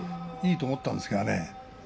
いいと思ったんですけどね